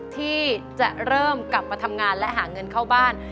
ที่จะเริ่มกลับมาทำงานและหาเงินเข้าบ้าน